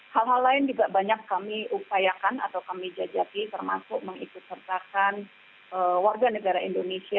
hal hal lain juga banyak kami upayakan atau kami jajaki termasuk mengikut sertakan warga negara indonesia